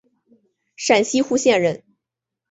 陕西户县人。